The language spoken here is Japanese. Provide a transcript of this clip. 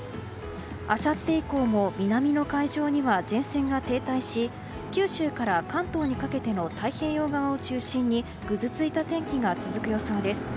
あさって以降も南の海上には前線が停滞し九州から関東にかけての太平洋側を中心にぐずついた天気が続く予想です。